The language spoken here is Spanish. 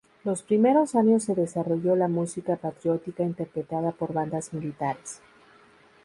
Los primeros años se desarrolló la música patriótica interpretada por bandas militares.